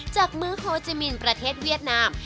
จากมือโฮจิมินประเทศเวียดนาม